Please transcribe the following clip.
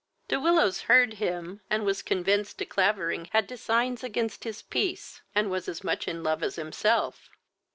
De Willows heard him, and was convinced De Clavering had designs against his peace, and was as much in love as himself.